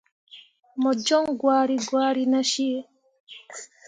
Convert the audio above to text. Mo joŋ gwari gwari nah cii.